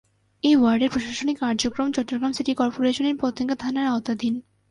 এ ওয়ার্ডের প্রশাসনিক কার্যক্রম চট্টগ্রাম সিটি কর্পোরেশনের পতেঙ্গা থানার আওতাধীন।